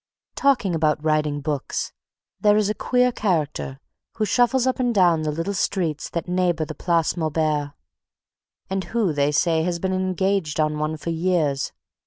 Talking about writing books, there is a queer character who shuffles up and down the little streets that neighbor the Place Maubert, and who, they say, has been engaged on one for years.